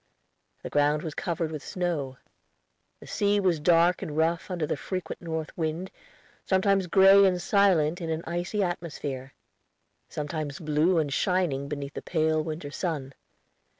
The ground was covered with snow. The sea was dark and rough under the frequent north wind, sometimes gray and silent in an icy atmosphere; sometimes blue and shining beneath the pale winter sun.